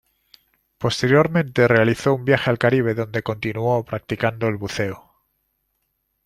Posteriormente, realizó un viaje al Caribe donde continuó practicando el buceo.